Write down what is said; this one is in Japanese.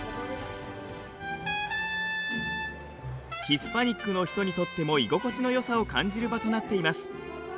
逆にヒスパニックの人にとっても居心地のよさを感じる場となっています。